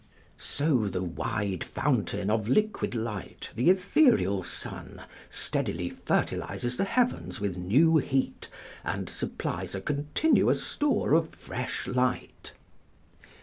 ["So the wide fountain of liquid light, the ethereal sun, steadily fertilises the heavens with new heat, and supplies a continuous store of fresh light."